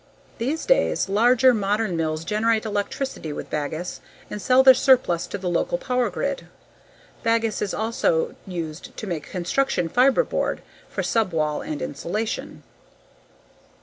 These days, larger, modern mills generate electricity with bagasse and sell their surplus to the local power grid. Bagasse is also used to make construction fiberboard for subwall and insulation.